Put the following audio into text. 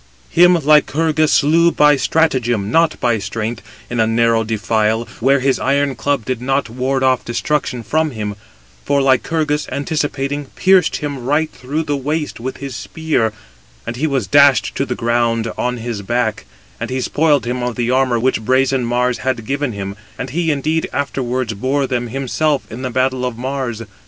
Him Lycurgus slew by stratagem, not by strength, in a narrow defile, where his iron club did not ward off destruction from him; for Lycurgus, anticipating, pierced him right through the waist with his spear, and he was dashed to the ground on his back; and he spoiled him of the armour which brazen Mars had given him, and he indeed afterwards bore them himself in the battle of Mars.